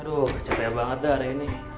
aduh cetaya banget deh ada ini